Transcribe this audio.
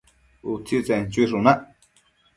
Utsitsen chuishunac